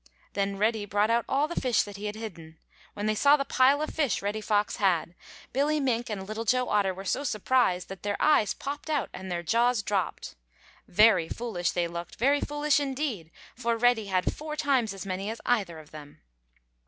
Then Reddy brought out all the fish that he had hidden. When they saw the pile of fish Reddy Fox had, Billy Mink and Little Joe Otter were so surprised that their eyes popped out and their jaws dropped. Very foolish they looked, very foolish indeed, for Reddy had four times as many as either of them.